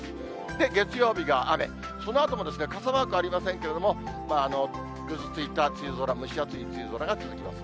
で、月曜日が雨、そのあとも傘マークありませんけれども、ぐずついた梅雨空、蒸し暑い梅雨空が続きます。